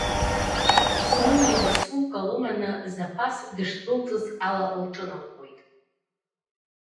Сониа лсумка лыманы Зафас дышдәылҵыз ала лҿыналхоит.